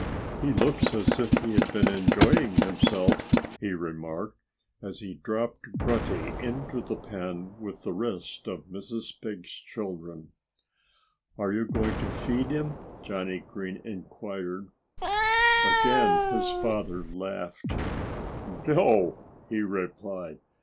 "He looks as if he had been enjoying himself," he remarked as he dropped Grunty into the pen with the rest of Mrs. Pig's children. "Are you going to feed him?" Johnnie Green inquired. Again his father laughed. "No!" he replied.